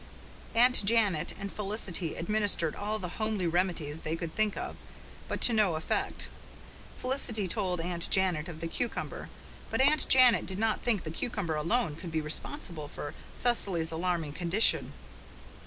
Aunt Janet and Felicity administered all the homely remedies they could think of, but to no effect. Felicity told Aunt Janet of the cucumber, but Aunt Janet did not think the cucumber alone could be responsible for Cecily's alarming condition.